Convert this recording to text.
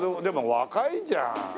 でも若いじゃん。